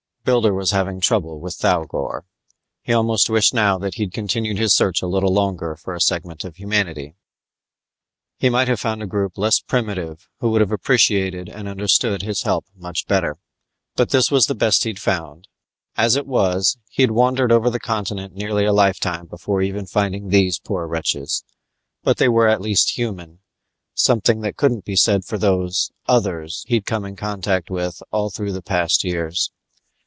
Builder was having trouble with Thougor. He almost wished now that he'd continued his search a little longer for a segment of humanity. He might have found a group less primitive who would have appreciated and understood his help much better. But this was the best he'd found; as it was, he'd wandered over the continent nearly a lifetime before even finding these poor wretches. But they were at least human something that couldn't be said for those others he'd come in contact with all through the past years.